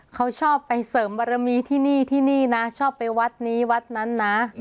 เขาชอบไปเสริมบารมีที่นี่ที่นี่นะชอบไปวัดนี้วัดนั้นนะ